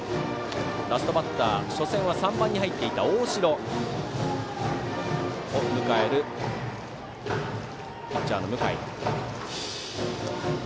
ラストバッター、初戦は３番に入っていた大城を迎えるピッチャーの向井。